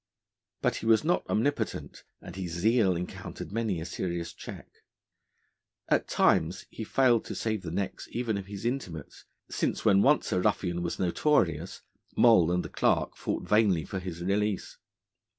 But he was not omnipotent, and his zeal encountered many a serious check. At times he failed to save the necks even of his intimates, since, when once a ruffian was notorious, Moll and the Clerk fought vainly for his release.